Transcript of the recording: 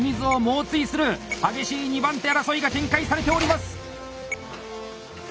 激しい２番手争いが展開されております！